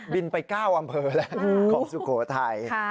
บินไป๙อำเภอแหละของสุโขทัย